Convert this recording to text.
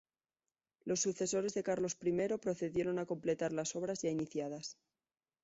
Los sucesores de Carlos I procedieron a completar las obras ya iniciadas.